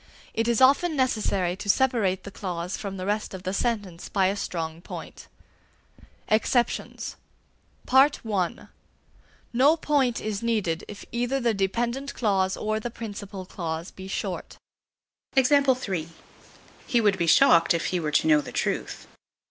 It is often necessary to separate the clause from the rest of the sentence by a strong point. EXCEPTIONS. (I) No point is needed if either the dependent clause or the principal clause be short. He would be shocked if he were to know the truth.